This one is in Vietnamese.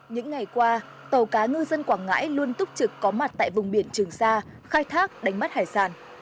những ngày qua tàu cá ngư dân quảng ngãi luôn túc trực có mặt tại vùng biển trường sa khai thác đánh bắt hải sản